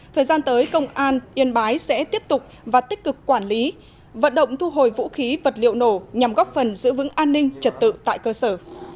thời gian tới công an yên bái sẽ tiếp tục và tích cực quản lý vận động thu hồi vũ khí vật liệu nổ nhằm góp phần giữ vững an ninh trật tự tại cơ sở